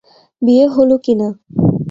বিয়ে হলো কি-না?